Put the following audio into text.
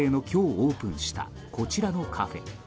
オープンしたこちらのカフェ。